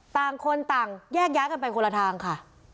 ต่างคนต่างแยกย้ายกันไปคนละทางค่ะ